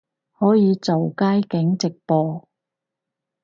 可以做街景直播